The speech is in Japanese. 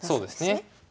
そうですね。